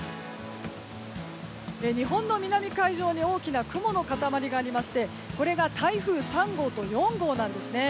日本の南海上に大きな雲の塊がありましてこれが台風３号と４号なんです。